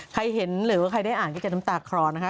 ใครเห็นหรือว่าใครได้อ่านก็จะน้ำตาคลอนะคะ